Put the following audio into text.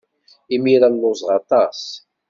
Imir-a lluẓeɣ aṭas.